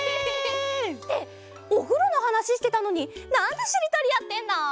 っておふろのはなししてたのになんでしりとりやってんの？